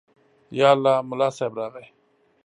_يالله، ملا صيب راغی.